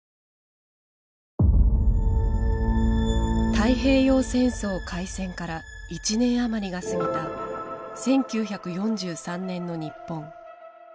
太平洋戦争開戦から１年余りが過ぎた１９４３年の日本。